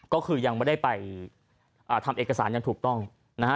ก็คือยังไม่ได้ไปทำเอกสารอย่างถูกต้องนะฮะ